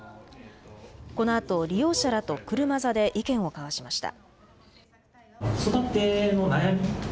このあと利用者らと車座で意見を交わしました。